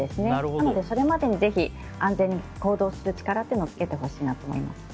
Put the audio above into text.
なので、それまでにぜひ安全に行動する力をつけてほしいなと思います。